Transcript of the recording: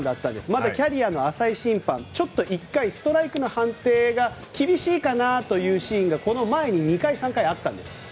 まだキャリアの浅い審判ちょっと１回ストライクの判定が厳しいかなというシーンがこの前に２回、３回あったんです。